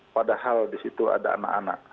padahal di situ ada anak anak